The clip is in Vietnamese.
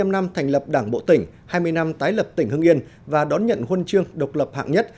bảy mươi năm năm thành lập đảng bộ tỉnh hai mươi năm tái lập tỉnh hưng yên và đón nhận huân chương độc lập hạng nhất